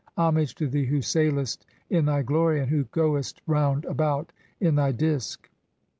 Homage to thee who sailest in thy "glory and who goest round about in thy Disk."